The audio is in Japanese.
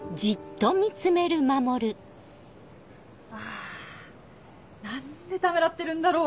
あ何でためらってるんだろ？